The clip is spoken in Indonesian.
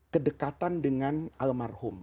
kedekatan dengan almarhum